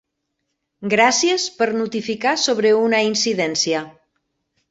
Gràcies per notificar sobre una incidència.